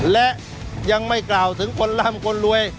และยังไม่กล่าวถึงคนร่ำคนรวย